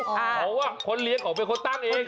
เพราะว่าคนเลี้ยงเขาเป็นคนตั้งเอง